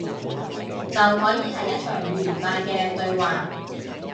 就可以係一場愉快嘅對話